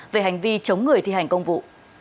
về hành vi chống người thi hành công vụ